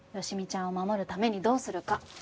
好美ちゃんを守るためにどうするか。